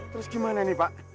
terus gimana nih pak